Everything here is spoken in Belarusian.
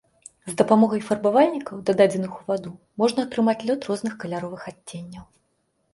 З дапамогай фарбавальнікаў дададзеных у ваду можна атрымаць лёд розных каляровых адценняў.